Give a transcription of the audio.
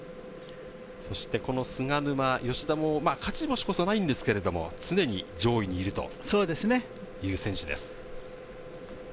そして菅沼、吉田も勝ち星こそないんですけれども、常に上位にいるという選手です。